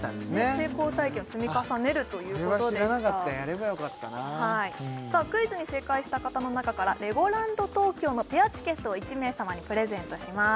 成功体験を積み重ねるということでしたそれは知らなかったやればよかったなクイズに正解した方の中からレゴランド東京のペアチケットを１名様にプレゼントします